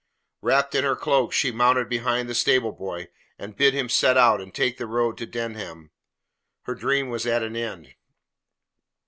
Wrapped in her cloak, she mounted behind the stable boy, and bade him set out and take the road to Denham. Her dream was at an end.